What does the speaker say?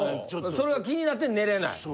それが気になって寝れない？